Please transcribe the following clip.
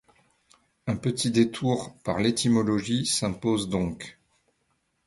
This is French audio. Un petit détour par l’étymologie s’impose donc.